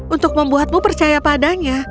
untuk membuatmu percaya padanya